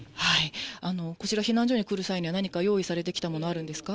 こちら、避難所に来る際には何か用意されてきたものあるんですか。